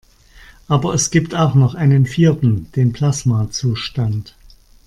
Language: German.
Aber es gibt auch noch einen vierten: Den Plasmazustand.